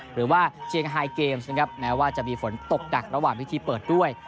หรือว่าเชียงไฮเกมส์นะครับแม้ว่าจะมีฝนตกหนักระหว่างพิธีเปิดด้วย